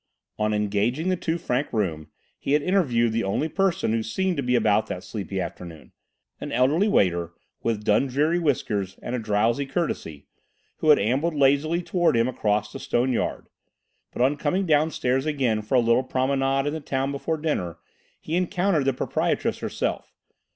On engaging the two franc room he had interviewed the only person who seemed to be about that sleepy afternoon, an elderly waiter with Dundreary whiskers and a drowsy courtesy, who had ambled lazily towards him across the stone yard; but on coming downstairs again for a little promenade in the town before dinner he encountered the proprietress herself.